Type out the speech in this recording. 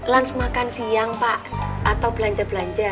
langsung makan siang pak atau belanja belanja